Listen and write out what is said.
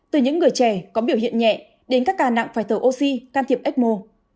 từ những người trẻ có biểu hiện nhẹ đến các ca nặng phai tờ oxy can thiệp ecmo